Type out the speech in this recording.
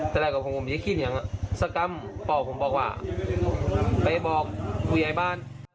สักครั้งป่าวผมบอกว่าไปบอกผู้ใหญ่บ้าน